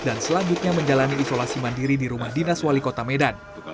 dan selanjutnya menjalani isolasi mandiri di rumah dinas wali kota medan